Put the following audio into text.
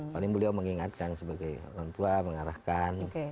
paling beliau mengingatkan sebagai orang tua mengarahkan